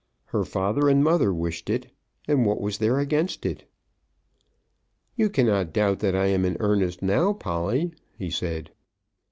Her father and mother wished it, and what was there against it? "You cannot doubt that I am in earnest now, Polly?" he said.